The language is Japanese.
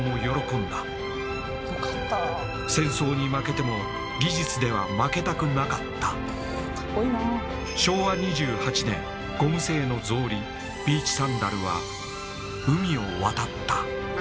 戦争に負けても技術では負けたくなかったゴム製の草履ビーチサンダルは海を渡った。